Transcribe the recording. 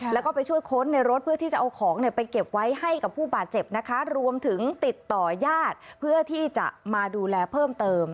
แล้วก็ไปช่วยค้นในรถเพื่อที่จะเอาของไปเก็บไว้ให้กับผู้บาดเจ็บนะคะรวมถึงติดต่อญาติเพื่อที่จะมาดูแลเพิ่มเติม